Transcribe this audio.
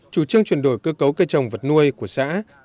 chủ trương chuyển đổi cơ cấu cây trồng vật nuôi của xã